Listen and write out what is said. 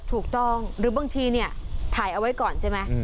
ถูกต้องหรือบางทีเนี่ยถ่ายเอาไว้ก่อนใช่ไหม